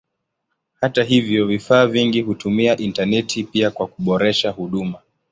Hata hivyo vifaa vingi hutumia intaneti pia kwa kuboresha huduma.